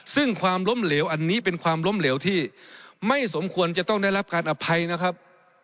ซึ่งความล้มเหลวอันนี้เป็นความล้มเหลวที่ไม่สมควรจะต้องได้รับการอภัยนะครับ